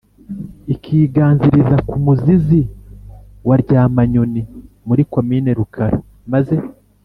ikiganziriza ku muzizi wa ryamanyoni muri komini rukara; maze